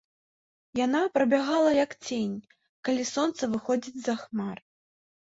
Яна прабягала, як цень, калі сонца выходзіць з-за хмар.